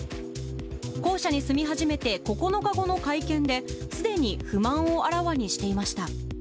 公舎に住み始めて９日後の会見で、すでに不満をあらわにしていました。